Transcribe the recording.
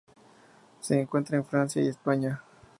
Se encuentra en Francia y España.